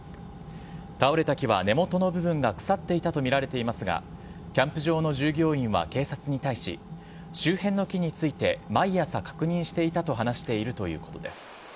倒れた木は根元の部分が腐っていたと見られていますが、キャンプ場の従業員は警察に対し、周辺の木について、毎朝確認していたと話しているということです。